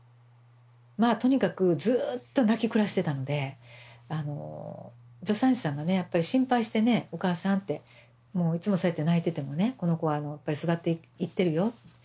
まあとにかくずっと泣き暮らしてたので助産師さんがねやっぱり心配してね「お母さん」って「もういつもそうやって泣いててもねこの子は育っていってるよ」。